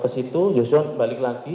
kesitu joshua kembali lagi